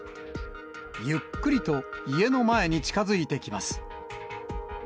ゆっくりと家の前に近づいてきます。